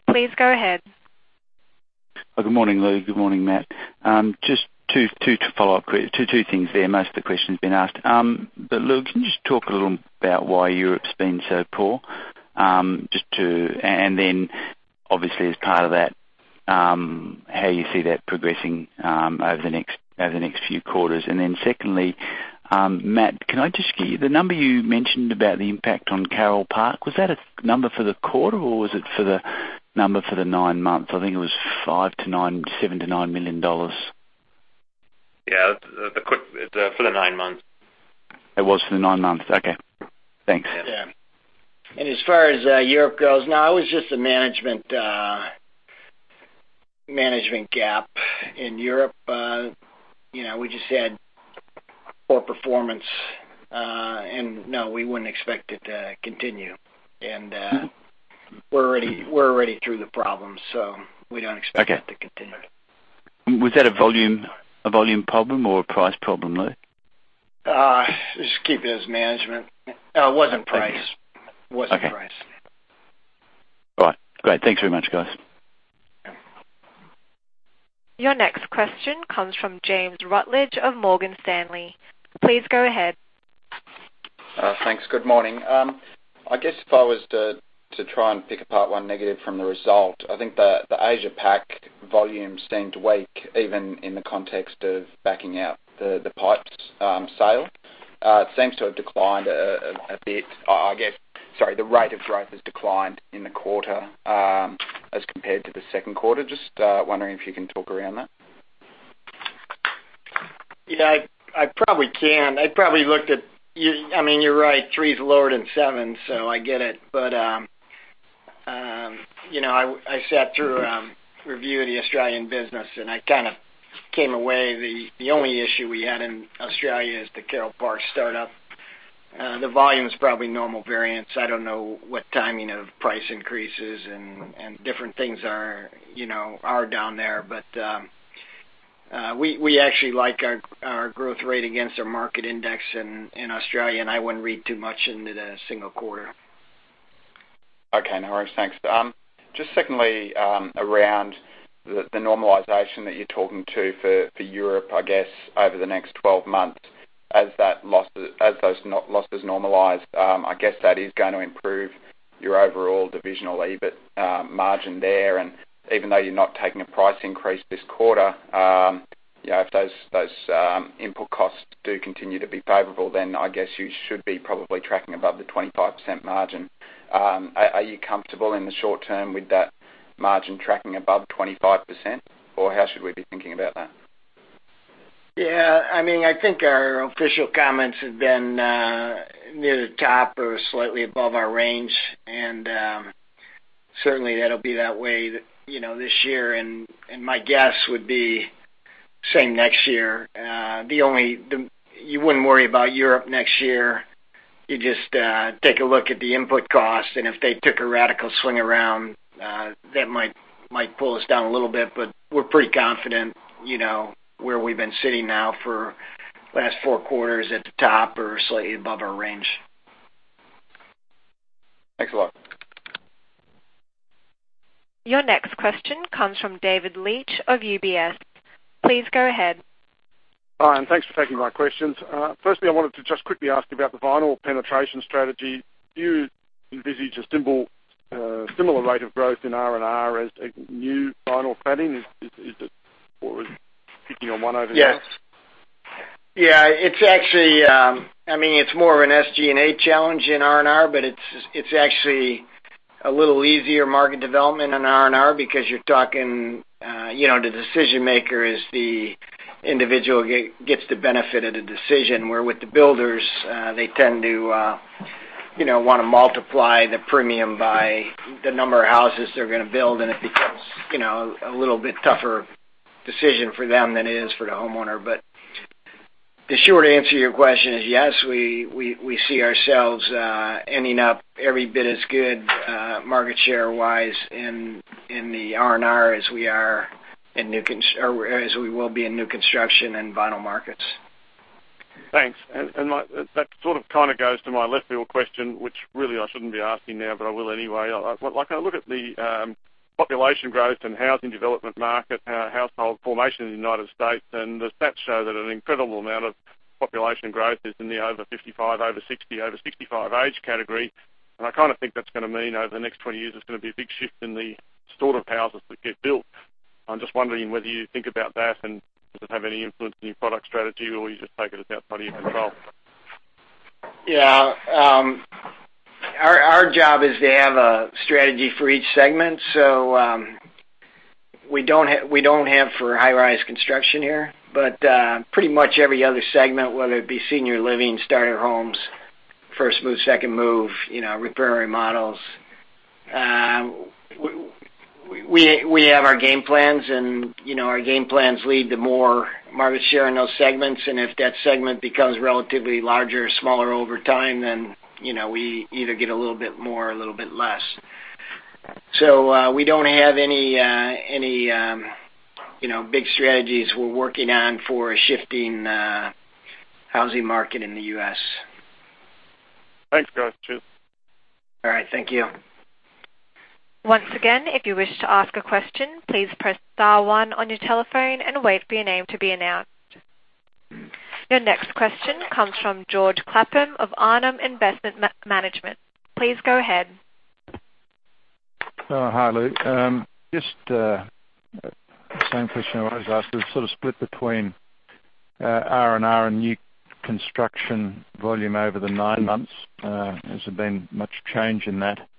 Please go ahead. Good morning, Lou. Good morning, Matt. Just two follow-up things there. Most of the question's been asked. But Lou, can you just talk a little about why Europe's been so poor? And then, obviously, as part of that, how you see that progressing over the next few quarters. And then secondly, Matt, can I just get the number you mentioned about the impact on Carole Park? Was that a number for the quarter, or was it for the number for the nine months? I think it was five to nine, $7 million-$9 million. Yeah, it's for the nine months. It was for the nine months. Okay. Thanks. Yeah. Yeah. And as far as Europe goes, no, it was just a management gap in Europe. You know, we just had poor performance, and no, we wouldn't expect it to continue. We're already through the problems, so we don't expect it to continue. Okay. Was that a volume, a volume problem or a price problem, Lou? Just keep it as management. It wasn't price. Okay. It wasn't price. All right. Great. Thanks very much, guys. Your next question comes from James Rutledge of Morgan Stanley. Please go ahead. Thanks. Good morning. I guess if I was to try and pick apart one negative from the result, I think the Asia Pac volume seemed weak, even in the context of backing out the pipes sale. It seems to have declined a bit. I guess the rate of growth has declined in the quarter, as compared to the second quarter. Just wondering if you can talk around that. Yeah, I probably can. I probably looked at... You, I mean, you're right, three is lower than seven, so I get it. But, you know, I sat through review of the Australian business, and I kind of came away, the only issue we had in Australia is the Carole Park startup. The volume is probably normal variance. I don't know what timing of price increases and different things are, you know, are down there. But we actually like our growth rate against our market index in Australia, and I wouldn't read too much into the single quarter. Okay, no worries. Thanks. Just secondly, around the normalization that you're talking to for Europe, I guess, over the next 12 months, as those losses normalize, I guess that is going to improve your overall divisional EBIT margin there. And even though you're not taking a price increase this quarter, you know, if those input costs do continue to be favorable, then I guess you should be probably tracking above the 25% margin. Are you comfortable in the short term with that margin tracking above 25%, or how should we be thinking about that? Yeah, I mean, I think our official comments have been near the top or slightly above our range, and certainly, that'll be that way, you know, this year, and my guess would be same next year. You wouldn't worry about Europe next year. You just take a look at the input costs, and if they took a radical swing around, that might pull us down a little bit, but we're pretty confident, you know, where we've been sitting now for last four quarters at the top or slightly above our range. Thanks a lot. Your next question comes from David Leitch of UBS. Please go ahead. Hi, and thanks for taking my questions. Firstly, I wanted to just quickly ask about the vinyl penetration strategy. Do you envisage a simple, similar rate of growth in R&R as a new vinyl cladding? Is it worth picking one over the other? Yes. Yeah, it's actually, I mean, it's more of an SG&A challenge in R&R, but it's a little easier market development in R&R, because you're talking, you know, the decision maker is the individual gets the benefit of the decision, where with the builders, they tend to, you know, wanna multiply the premium by the number of houses they're gonna build, and it becomes, you know, a little bit tougher decision for them than it is for the homeowner. But the short answer to your question is, yes, we see ourselves ending up every bit as good, market share-wise in the R&R as we are in new construction or as we will be in new construction and vinyl markets. Thanks. And my-- that sort of goes to my left field question, which really, I shouldn't be asking now, but I will anyway. Like, when I look at the population growth and housing development market, household formation in the United States, and the stats show that an incredible amount of population growth is in the over 55, over 60, over 65 age categories. And I kind of think that's gonna mean over the next 20 years, there's gonna be a big shift in the sort of houses that get built. I'm just wondering whether you think about that and does it have any influence in your product strategy, or you just take it as out of your control? Yeah, our job is to have a strategy for each segment. So, we don't have for high-rise construction here, but pretty much every other segment, whether it be senior living, starter homes, first move, second move, you know, repair, remodels. We have our game plans, and you know, our game plans lead to more market share in those segments, and if that segment becomes relatively larger or smaller over time, then you know, we either get a little bit more or a little bit less. So, we don't have any you know, big strategies we're working on for a shifting housing market in the U.S. Thanks, guys, cheers. All right, thank you. Once again, if you wish to ask a question, please press star one on your telephone and wait for your name to be announced. Your next question comes from George Clapham of Arnhem Investment Management. Please go ahead. Hi, Lou. Just same question I always ask, is sort of split between R&R and new construction volume over the nine months. Has there been much change in that?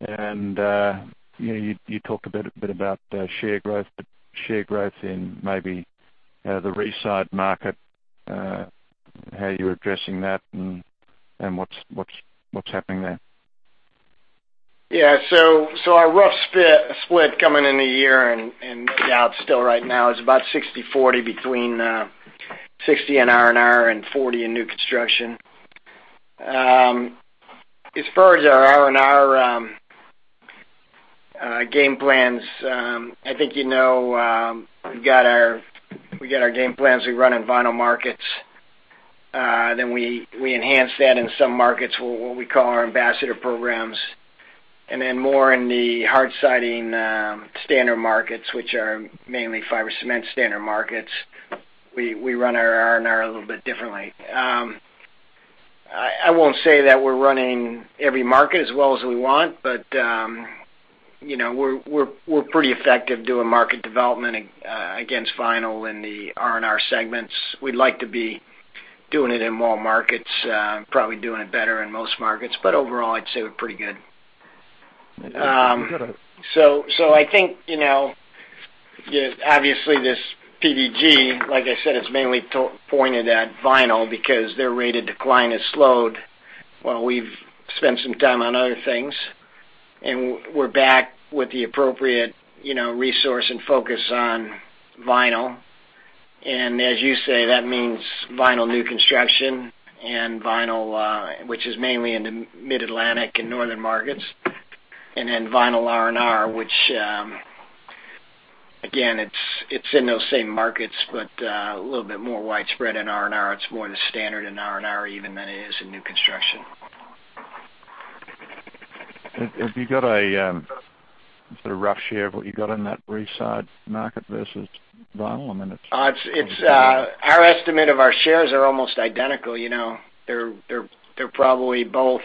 And you talked a bit about share growth, but share growth in maybe the re-side market, how you're addressing that, and what's happening there? Yeah, so our rough split coming in the year and out still right now is about 60/40 between 60 in R&R and 40 in new construction. As far as our R&R game plans, I think, you know, we've got our game plans we run in vinyl markets, then we enhance that in some markets, what we call our ambassador programs. And then more in the hard siding standard markets, which are mainly fiber cement standard markets, we run our R&R a little bit differently. I won't say that we're running every market as well as we want, but you know, we're pretty effective doing market development against vinyl in the R&R segments. We'd like to be doing it in more markets, probably doing it better in most markets, but overall, I'd say we're pretty good. You got a- So I think, you know, obviously, this PDG, like I said, is mainly pointed at vinyl because their rate of decline has slowed. Well, we've spent some time on other things, and we're back with the appropriate, you know, resource and focus on vinyl. And as you say, that means vinyl new construction and vinyl, which is mainly in the Mid-Atlantic and northern markets, and then vinyl R&R, which, again, it's in those same markets, but a little bit more widespread in R&R. It's more the standard in R&R even than it is in new construction. Have you got a sort of rough share of what you got in that siding market versus vinyl, I mean, it's- It's our estimate of our shares are almost identical, you know, they're probably both,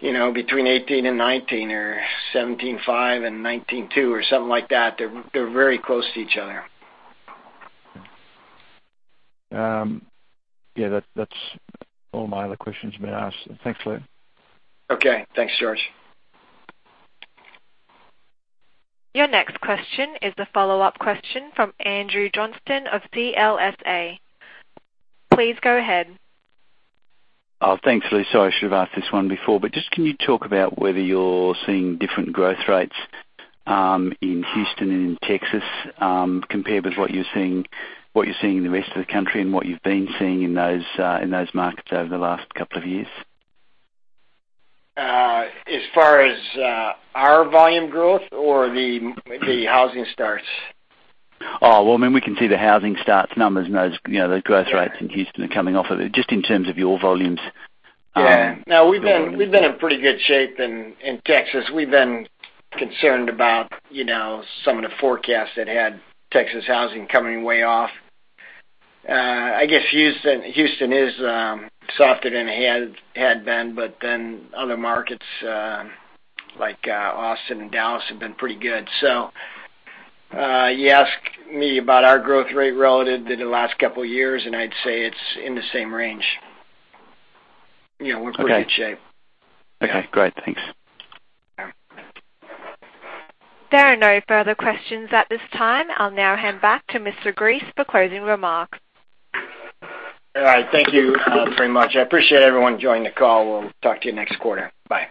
you know, between 18 and 19 or 17.5 and 19.2, or something like that. They're very close to each other. Yeah, that's all my other questions have been asked. Thanks, Lou. Okay, thanks, George. Your next question is the follow-up question from Andrew Johnston of CLSA. Please go ahead. Thanks, Lou. So I should have asked this one before, but just, can you talk about whether you're seeing different growth rates in Houston and in Texas compared with what you're seeing in the rest of the country and what you've been seeing in those markets over the last couple of years? As far as our volume growth or the housing starts? Oh, well, I mean, we can see the housing starts numbers and those, you know, the growth rates in Houston are coming off of it. Just in terms of your volumes, Yeah. No, we've been in pretty good shape in Texas. We've been concerned about, you know, some of the forecasts that had Texas housing coming way off. I guess Houston is softer than it had been, but then other markets, like, Austin and Dallas have been pretty good. So, you asked me about our growth rate relative to the last couple of years, and I'd say it's in the same range. You know, we're pretty in shape. Okay, great. Thanks. Yeah. There are no further questions at this time. I'll now hand back to Mr. Gries for closing remarks. All right. Thank you, very much. I appreciate everyone joining the call. We'll talk to you next quarter. Bye.